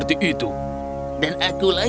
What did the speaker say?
aku yang schlimm symbolic damai panitaka